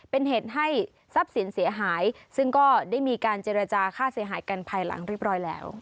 เป็นเหตุให้ทรัพย์สินเสียหายซึ่งก็ได้มีการเจรจาค่าเสียหายกันภายหลังเรียบร้อยแล้ว